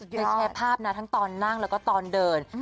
ได้แชร์ภาพนะทั้งตอนนั่งแล้วก็ตอนเดิน